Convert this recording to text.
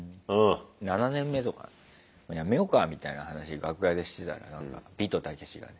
７年目とかもうやめようかみたいな話楽屋でしてたらなんかビトタケシがね